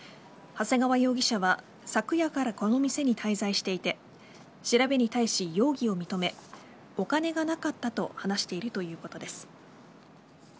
長谷川容疑者は昨夜からこの店に滞在していて調べに対し、容疑を認めお金がなかったと話しているということです。